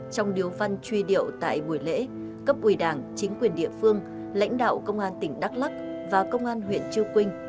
trong điều văn truy điệu tại buổi lễ cấp ủy đảng chính quyền địa phương lãnh đạo công an tỉnh đắk lắk và công an huyện chư quỳnh